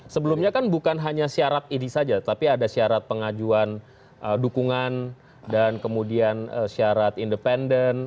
sebelumnya kan bukan hanya syarat idi saja tapi ada syarat pengajuan dukungan dan kemudian syarat independen